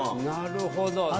なるほど。